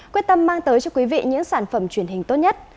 quyết tâm mang tới cho quý vị những sản phẩm truyền hình tốt nhất